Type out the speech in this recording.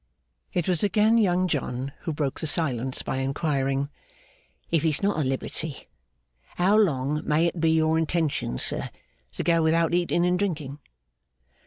It was again Young John who broke the silence by inquiring: 'If it's not a liberty, how long may it be your intentions, sir, to go without eating and drinking?